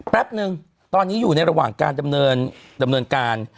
แป๊บนึงตอนนี้อยู่ในระหว่างการดำเนินการ